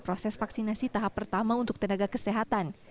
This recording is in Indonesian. proses vaksinasi tahap pertama untuk tenaga kesehatan